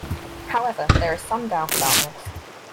However, there is some doubt about this.